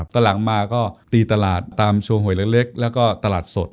ตอนหลังมาก็ตีตลาดตามโชว์หวยเล็กแล้วก็ตลาดสด